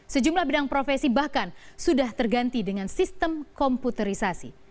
sejumlah bidang profesi bahkan sudah terganti dengan sistem komputerisasi